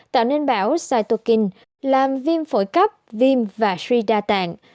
tạo nên bão cytokine làm viêm phổi cấp viêm và suy đa tạng